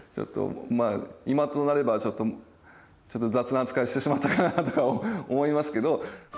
まあ今となればちょっと雑な扱いをしてしまったかなとか思いますけど。